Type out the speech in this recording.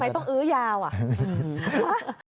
ทำไมต้องอื้อยาวอะ